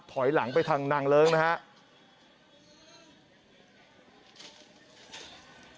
ถอยหลังไปทางนางเลิ้งนะครับ